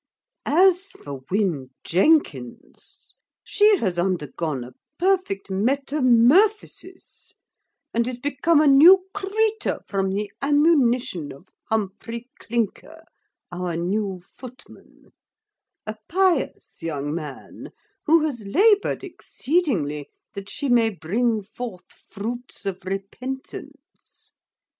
As for Win Jenkins, she has undergone a perfect metamurphysis, and is become a new creeter from the ammunition of Humphry Clinker, our new footman, a pious young man, who has laboured exceedingly, that she may bring forth fruits of repentance.